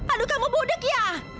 aduh kamu bodek ya